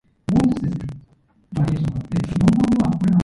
Semidiones are derived from the reduction of dicarbonyl compounds.